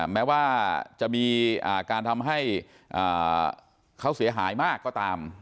แม้ว่าจะมีการทำให้เขาเสียหายมากก็ตาม